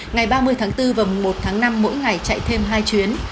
ngày ba mươi tháng bốn và một tháng năm mỗi ngày chạy thêm hai chuyến